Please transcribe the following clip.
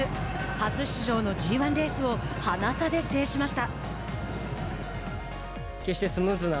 初出場のＧ１レースをハナ差で制しました。